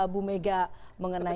bu mega mengenai masalah